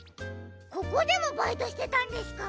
ここでもバイトしてたんですか？